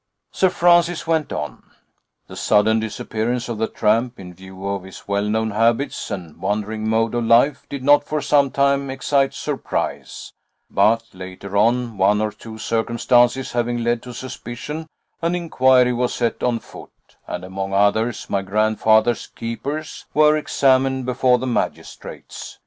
Sir Francis went on: "The sudden disappearance of the tramp, in view of his well known habits and wandering mode of life, did not for some time excite surprise; but, later on, one or two circumstances having led to suspicion, an inquiry was set on foot, and among others, my grandfather's keepers were examined before the magistrates.